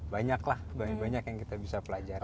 banyak lah banyak banyak yang kita bisa pelajari